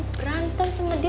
berantem sama dia